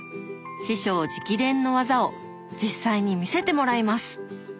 師匠直伝の技を実際に見せてもらいます！